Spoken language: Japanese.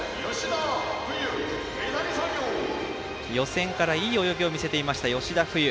予選からいい泳ぎを見せていました、吉田冬優。